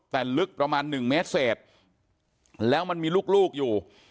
แต่ลึกประมาณ๑เมตรเศษแล้วมันมีลูกอยู่